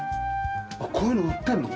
こういうの売ってるの？